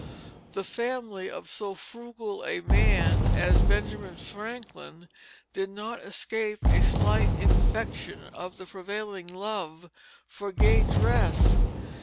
The family of so frugal a man as Benjamin Franklin did not escape a slight infection of the prevailing love for gay dress.